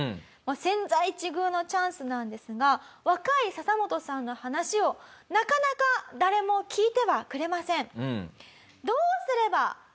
千載一遇のチャンスなんですが若いササモトさんの話をなかなか誰も聞いてはくれません。